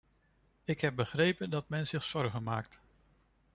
Ik heb begrepen dat men zich zorgen maakt.